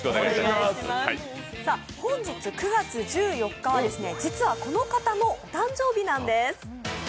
本日９月１４日は、実はこの方のお誕生日なんです。